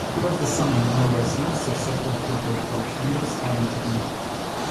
He was the son of Norway's most successful football coach, Nils Arne Eggen.